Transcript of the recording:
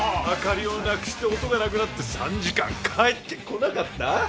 明かりをなくして音がなくなって３時間帰ってこなかった？